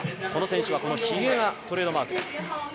この選手は、ひげがトレードマークです。